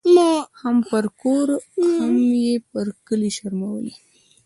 هم پر کور هم یې پر کلي شرمولې